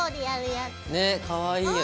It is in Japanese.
かわいいよね。